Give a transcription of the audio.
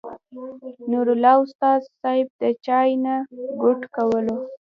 نور الله استاذ صېب د چاے نه ګوټ کولو